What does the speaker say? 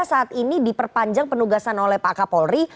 saat ini diperpanjang penugasan oleh pak kapolri